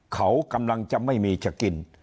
เขากำลังจะไม่มีจะกิน